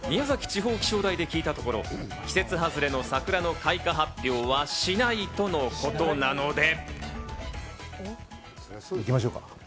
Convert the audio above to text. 地方気象台で聞いたところ、季節外れの桜の開花発表はしないとのことなので。